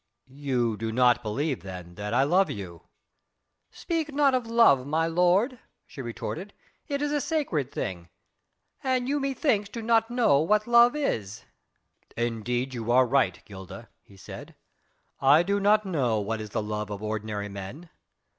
"You do not believe then, that I love you?" "Speak not of love, my lord," she retorted, "it is a sacred thing. And you methinks do not know what love is." "Indeed you are right, Gilda," he said, "I do not know what is the love of ordinary men.